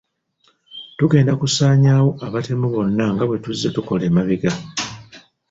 Tugenda kusaanyaawo abatemu bano nga bwe tuzze tukola emabega.